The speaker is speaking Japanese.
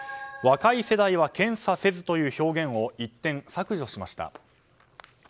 若い世代は検査せずという表現を一転、削除しました。